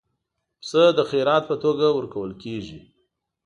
پسه د خیرات په توګه ورکول کېږي.